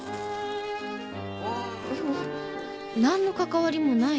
何の関わりもないよ。